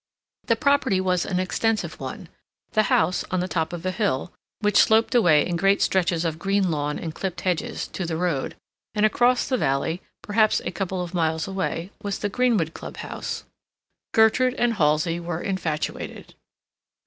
The property was an extensive one: the house on the top of a hill, which sloped away in great stretches of green lawn and clipped hedges, to the road; and across the valley, perhaps a couple of miles away, was the Greenwood Club House. Gertrude and Halsey were infatuated.